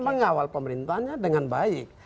mengawal pemerintahnya dengan baik